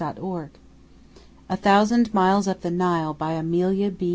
[Title Page] A THOUSAND MILES UP THE NILE BY AMELIA B.